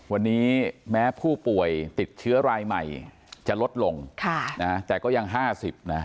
วันนี้แม้ผู้ป่วยติดเชื้อรายใหม่จะลดลงแต่ก็ยัง๕๐นะ